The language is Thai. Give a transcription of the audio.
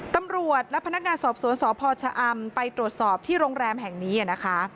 ตำรวจและพนักงานสอบสวนสพชะอำไปตรวจสอบที่โรงแรมแห่งนี้นะคะ